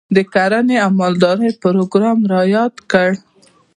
د کرنې او مالدارۍ پروګرام رایاد کړ.